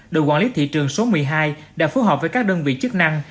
đội quản lý thị trường số một mươi hai đã phối hợp với các đơn vị chức năng